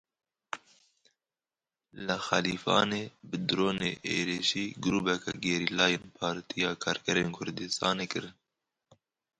Li Xelîfanê bi dronê êrişî grûpeke gerîlayên Partiya Karkerên Kurdistanê kirin.